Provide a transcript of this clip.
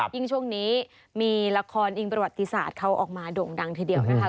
ยิ่งช่วงนี้มีละครอิงประวัติศาสตร์เขาออกมาโด่งดังทีเดียวนะคะ